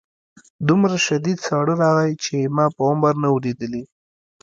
دومره شدید ساړه راغی چې ما په عمر نه و لیدلی